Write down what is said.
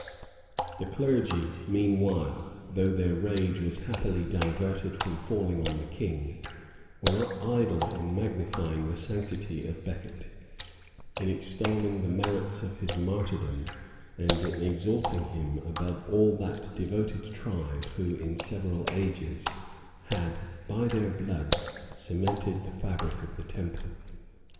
The clergy, meanwhile, though their rage was happily diverted from falling on the king, were not idle in magnifying the sanctity of Becket, in extolling the merits of his martyrdom, and in exalting him above all that devoted tribe who, in several ages, had, by their blood, cemented the fabric of the temple.